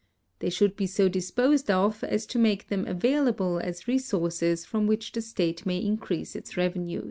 They should be so disposed of as to make them avail able as resources from which the state may increase its revenue.